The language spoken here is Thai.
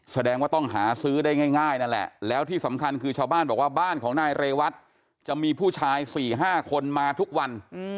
แสดงว่าต้องหาซื้อได้ง่ายนั่นแหละแล้วที่สำคัญคือชาวบ้านบอกว่าบ้านของนายเรวัตจะมีผู้ชาย๔๕คนมาทุกวัน